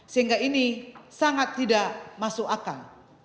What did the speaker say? sehingga ini sangat tidak masuk akal